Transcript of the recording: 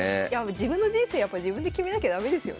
自分の人生やっぱ自分で決めなきゃ駄目ですよね。